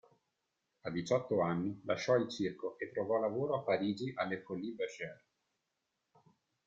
A diciotto anni, lasciò il circo e trovò lavoro a Parigi alle Folies Bergère.